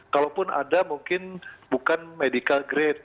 kalaupun ada mungkin bukan medical grade